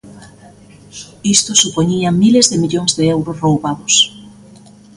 Isto supoñía miles de millóns de euros roubados.